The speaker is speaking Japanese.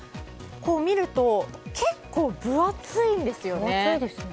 見ると、結構分厚いんですよね。